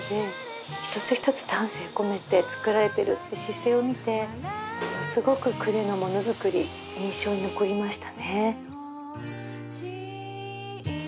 一つ一つ丹精込めて作られてるって姿勢を見てものすごく呉の物づくり印象に残りましたね。